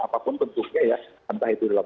apapun bentuknya ya entah itu dalam